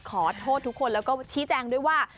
ขอโทษทุกคนแล้วก็ชี้แจงด้วยว่า